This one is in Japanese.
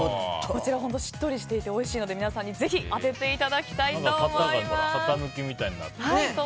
こちら、本当にしっとりしていておいしいので皆さんにぜひ当てていただきたいと思います。